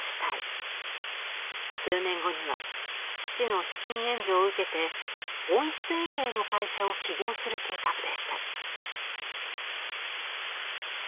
数年後には父の資金援助を受けて温室園芸の会社を起業する計画でした。